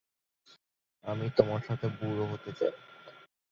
আমি তোমার সাথে বুড়ো হতে চাই।